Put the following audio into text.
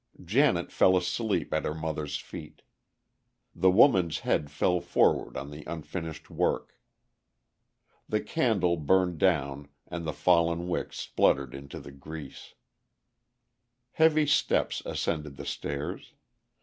Janet fell asleep at her mother's feet. The woman's head fell forward on the unfinished work. The candle burned down, and the fallen wick spluttered in the grease. Heavy steps ascended the stairs.